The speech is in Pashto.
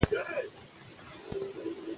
که عمه وي نو مینه نه پاتیږي.